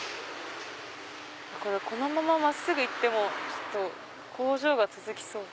このまま真っすぐ行っても工場が続きそう。